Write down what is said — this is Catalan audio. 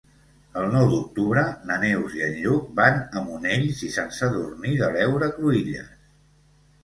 El nou d'octubre na Neus i en Lluc van a Monells i Sant Sadurní de l'Heura Cruïlles.